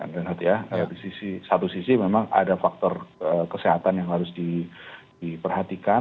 di satu sisi memang ada faktor kesehatan yang harus diperhatikan